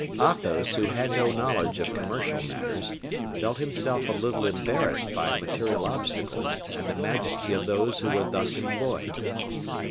Athos, who had no knowledge of commercial matters, felt himself a little embarrassed by material obstacles and the majesty of those who were thus employed.